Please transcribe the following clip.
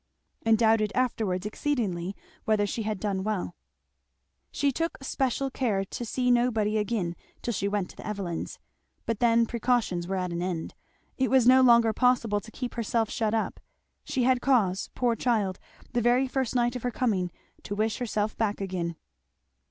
And doubted afterwards exceedingly whether she had done well. She took special good care to see nobody again till she went to the Evelyns. But then precautions were at an end. It was no longer possible to keep herself shut up. She had cause, poor child, the very first night of her coming, to wish herself back again.